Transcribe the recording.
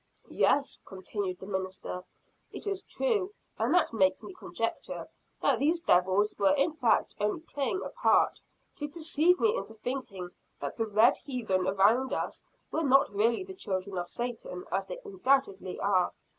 "Yes," continued the minister, "it is true; and that makes me conjecture, that these devils were in fact only playing a part; to deceive me into thinking that the red heathen around us were not really the children of Satan, as they undoubtedly are."